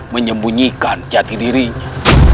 menyembunyikan jati dirinya